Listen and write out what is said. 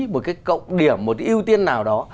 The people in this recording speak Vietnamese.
một cái cộng điểm một cái ưu tiên nào đó